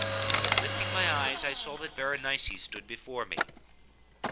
But, uplifting my eyes, I saw that Berenice stood before me.